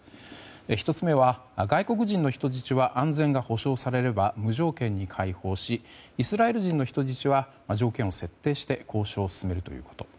１つ目は外国人の人質は安全が保証されれば無条件に解放しイスラエル人の人質は条件を設定して交渉を進めるということ。